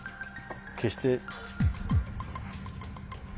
消して。